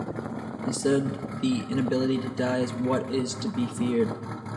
Instead, the inability to die is what is to be feared.